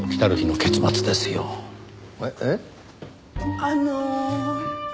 あの。